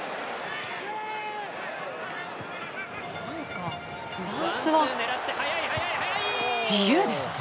何かフランスは自由ですね。